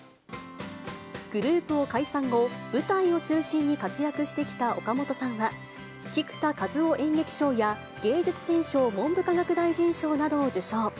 グループを解散後、舞台を中心に活躍してきた岡本さんは、菊田一夫演劇賞や芸術選奨文部科学大臣賞などを受賞。